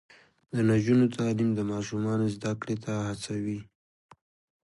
د نجونو تعلیم د ماشومانو زدکړې ته هڅوي.